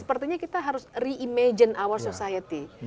sepertinya kita harus reimagine our society